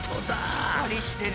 しっかりしてる。